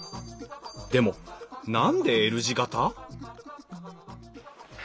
でも何でＬ字形？